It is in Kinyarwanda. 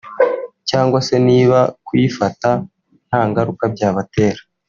cyangwa se niba kuyifata nta ngaruka byabatera